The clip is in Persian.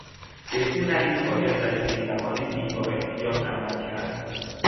به سه دلیل باید در چنین مواردی با احتیاط عمل کرد.